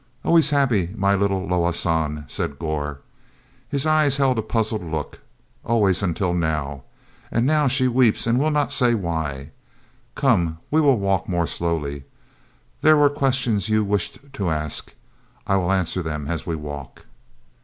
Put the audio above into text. "Always happy, my little Loah San," said Gor. His eyes held a puzzled look. "Always until now. And now she weeps and will not say why. Come, we will walk more slowly. There were questions you wished to ask. I will answer them as we walk."